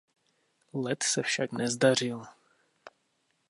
Let se však nezdařil.